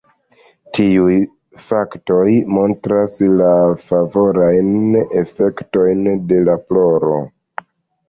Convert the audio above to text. Tiuj faktoj montras la favorajn efektojn de la ploro.